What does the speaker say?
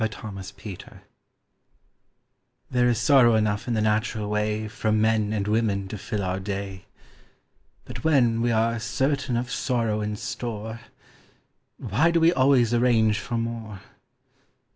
THE POWER OF THE DOG There is sorrow enough in the natural way From men and women to fill our day; But when we are certain of sorrow in store, Why do we always arrange for more?